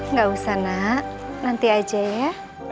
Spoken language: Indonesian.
nggak usah nak nanti aja ya